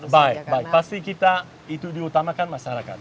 baik baik pasti kita itu diutamakan masyarakat